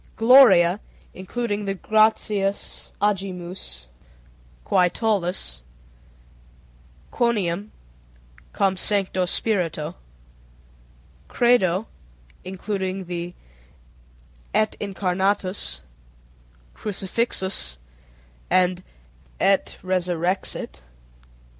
_ Gloria (including the Gratias agimus, Qui tollis, Quoniam, Cum Sancto Spirito). Credo (including the Et Incarnatus, Crucifixus, and Et Resurrexit).